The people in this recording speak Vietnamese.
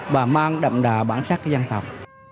và mang đậm đà bản sắc của dân tộc